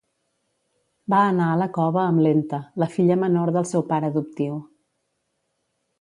Va anar a la cova amb Lenta, la filla menor del seu pare adoptiu.